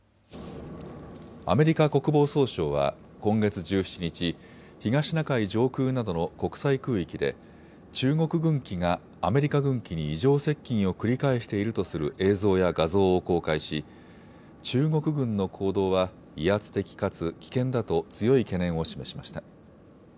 アメリカ国防総省は今月１７日、東シナ海上空などの国際空域で中国軍機がアメリカ軍機に異常接近を繰り返しているとする映像や画像を公開し中国軍の行動は威圧的かつ危険だと強い懸念を示しました。